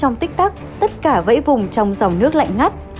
trong tích tắc tất cả vẫy vùng trong dòng nước lạnh ngắt